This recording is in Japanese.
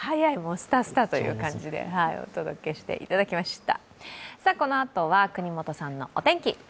スタスタという感じでお届けしていただきました。